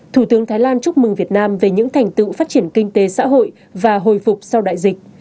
thủ tướng thái lan chúc mừng việt nam về những thành tựu phát triển kinh tế xã hội và hồi phục sau đại dịch